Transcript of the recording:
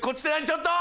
ちょっと！